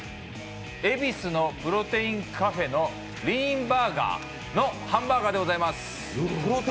恵比寿のプロテインカフェのＬＥＡＮＢＵＲＧＥＲ’Ｓのハンバーガーでございます。